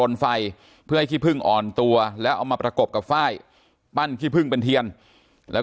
ไฟเพื่อให้ขี้พึ่งอ่อนตัวแล้วเอามาประกบกับฝ้ายปั้นขี้พึ่งเป็นเทียนแล้ว